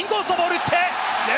インコースのボール！